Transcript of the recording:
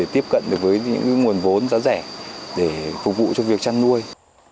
tiếp cận được với những nguồn vốn giá rẻ để phục vụ cho việc chăn nuôi